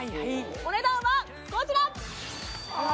お値段はこちら！